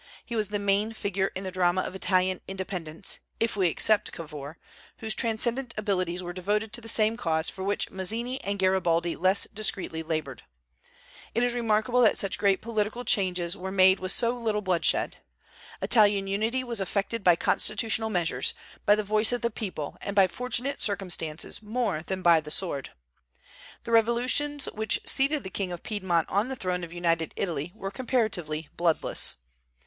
He was the main figure in the drama of Italian independence, if we except Cavour, whose transcendent abilities were devoted to the same cause for which Mazzini and Garibaldi less discreetly labored. It is remarkable that such great political changes were made with so little bloodshed. Italian unity was effected by constitutional measures, by the voice of the people, and by fortunate circumstances more than by the sword. The revolutions which seated the King of Piedmont on the throne of United Italy were comparatively bloodless.